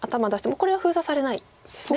もうこれは封鎖されないんですね。